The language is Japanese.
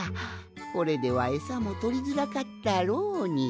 これではエサもとりづらかったろうに。